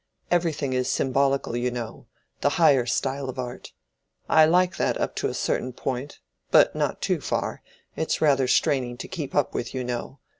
Everything is symbolical, you know—the higher style of art: I like that up to a certain point, but not too far—it's rather straining to keep up with, you know.